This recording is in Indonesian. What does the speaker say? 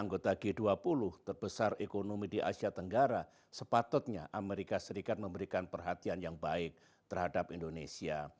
indonesia negara besar juga kita anggota g dua puluh terbesar ekonomi di asia tenggara sepatutnya amerika serikat memberikan perhatian yang baik terhadap indonesia